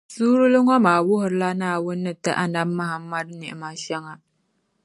Suurili ŋɔ maa wuhirila Naawuni ni ti Annabi Muhammadu ni’ima shɛŋa.